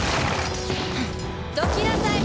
どきなさい！